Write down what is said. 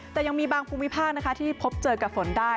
แต่ยังมีบางภูมิภาคที่พบเจอกับฝนได้